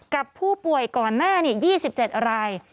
กับผู้ป่วยก่อนหน้านี้๒๗ราย